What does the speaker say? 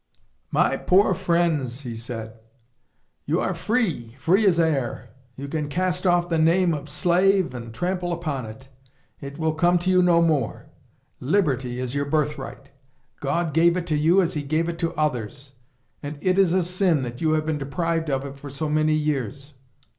'My poor friends,' he said, 'you are free free as air. You can cast off the name of slave and trample upon it; it will come to you no more. Liberty is your birthright. God gave it to you as He gave it to others, and it is a sin that you have been deprived of it for so many years.